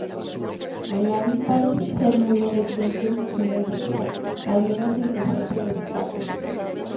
Hanabi parece ser muy obediente y silenciosa, al menos en presencia de su padre.